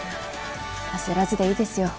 焦らずでいいですよ